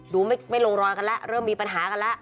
ดูไม่ลงรอยกันแล้วเริ่มมีปัญหากันแล้ว